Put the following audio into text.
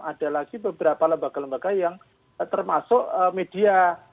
ada lagi beberapa lembaga lembaga yang termasuk media